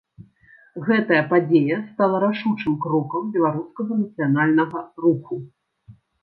Гэтая падзея стала рашучым крокам беларускага нацыянальнага руху.